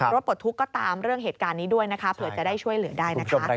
ปลดทุกข์ก็ตามเรื่องเหตุการณ์นี้ด้วยนะคะเผื่อจะได้ช่วยเหลือได้นะคะ